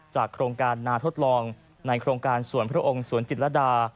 โครงการนาทดลองในโครงการสวนพระองค์สวนจิตรดา